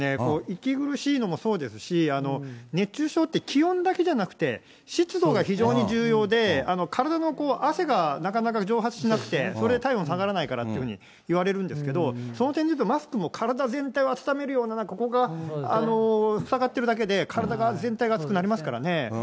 息苦しいのもそうですし、熱中症って、気温だけじゃなくて湿度が非常に重要で、体の汗がなかなか蒸発しなくて、それで体温下がらないからというふうにいわれるんですけど、その点でいうと、体全体をあたためるような、ここが塞がってるだけで体が全体が暑くなりますからね。